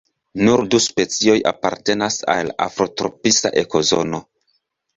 Nur du specioj apartenas al la afrotropisa ekozono.